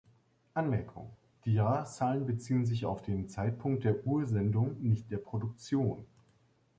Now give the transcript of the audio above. Anmerkung: Die Jahreszahlen beziehen sich auf den Zeitpunkt der Ursendung, nicht der Produktion.